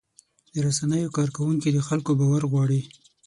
د رسنیو کارکوونکي د خلکو باور غواړي.